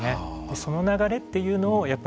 その流れというのをやっぱり